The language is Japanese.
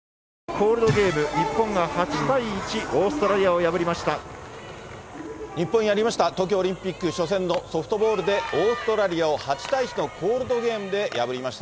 コールドゲーム、日本が８対１、日本やりました、東京オリンピック初戦のソフトボールでオーストラリアを８対１のコールドゲームで破りました。